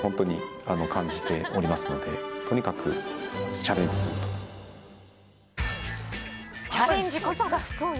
チャレンジこそが福を呼